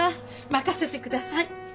任せてください。